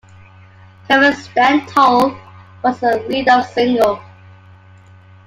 Cummings' "Stand Tall" was the lead-off single.